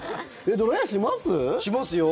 しますよ。